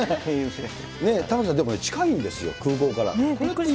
玉城さん、でもね、近いんですよ、空港から。